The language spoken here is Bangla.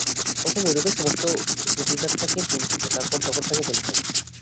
প্রথমে ঐরূপে সমস্ত হিঁদুজাতটাকে তুলতে হবে, তারপর জগৎটাকে তুলতে হবে।